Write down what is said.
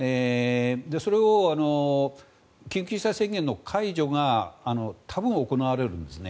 それを緊急事態宣言の解除が多分、行われるんですね。